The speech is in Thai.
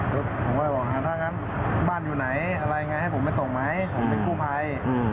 ผมก็เลยบอกถ้าอย่างนั้นบ้านอยู่ไหนอะไรไงให้ผมไปตกไหมผมเป็นคู่ภัย